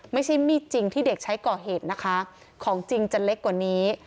ไม่ใช่มีดจริงที่เด็กใช้ก่อเหตุนะคะของจริงจะเล็กกว่านี้